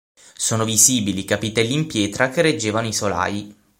Sono visibili i capitelli in pietra che reggevano i solai.